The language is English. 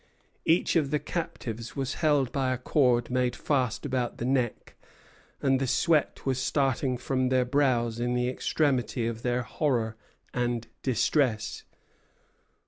Each of the captives was held by a cord made fast about the neck; and the sweat was starting from their brows in the extremity of their horror and distress.